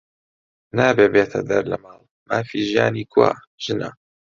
نابێ بێتە دەر لە ماڵ، مافی ژیانی کوا؟ ژنە